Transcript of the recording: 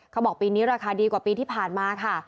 ปีนี้ราคาดีกว่าปีที่ผ่านมาค่ะ